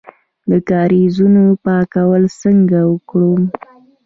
د کاریزونو پاکول څنګه وکړم؟